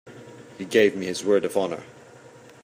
He gave me his word of honor.